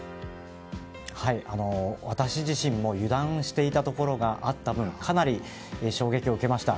私自身も油断していたところがあった分かなり衝撃を受けました。